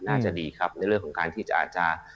น่าจะดีครับในเรื่องของการที่จะอาจจะ